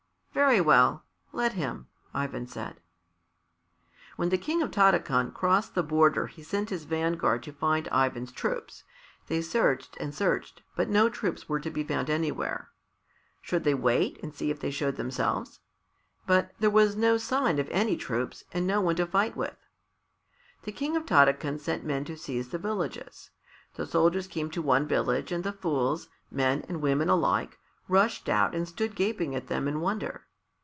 "Very well; let him," Ivan said. When the King of Tarakan crossed the border he sent his vanguard to find Ivan's troops. They searched and searched, but no troops were to be found anywhere. Should they wait and see if they showed themselves? But there was no sign of any troops and no one to fight with. The King of Tarakan sent men to seize the villages. The soldiers came to one village and the fools men and women alike rushed out and stood gaping at them in wonder.